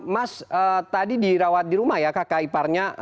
mas tadi dirawat di rumah ya kakak iparnya